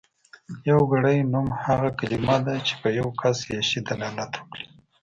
يوګړی نوم هغه کلمه ده چې په يو کس يا شي دلالت وکړي.